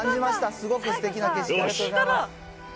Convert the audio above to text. すごくすてきな景色、ありがとうございます。